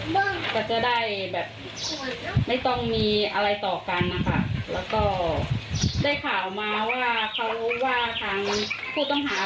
มาช่วยแบบท่าเยียวยาฆ่าทำศพนะคะ